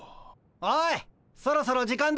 おいそろそろ時間だぞ。